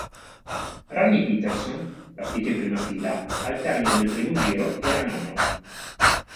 Ronnie Peterson, partito in prima fila, al termine del primo giro era nono.